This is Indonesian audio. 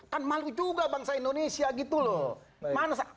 kan malu juga bangsa indonesia gitu loh